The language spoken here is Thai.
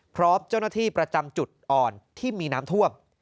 พร้อมเจ้าหน้าที่ประจำจุดอ่อนที่มีน้ำท่วม